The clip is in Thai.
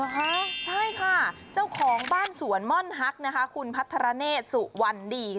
เหรอคะใช่ค่ะเจ้าของบ้านสวนม่อนฮักคุณพัทรเนสุวันดี